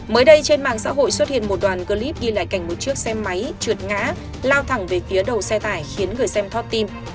mới đây trên mạng xã hội xuất hiện một đoàn clip ghi lại cảnh một chiếc xe máy trượt ngã lao thẳng về phía đầu xe tải khiến người xem thoát tin